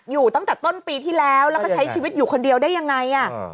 อยู่ตั้งแต่ต้นปีที่แล้วแล้วก็ใช้ชีวิตอยู่คนเดียวได้ยังไง